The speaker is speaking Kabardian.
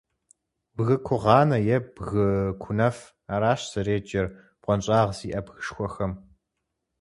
«Бгы кугъуанэ» е «бгы кунэф». Аращ зэреджэр бгъуэнщIагъ зиIэ бгышхуэхэм.